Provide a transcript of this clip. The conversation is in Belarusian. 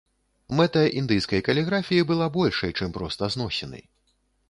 Мэта індыйскай каліграфіі была большай, чым проста зносіны.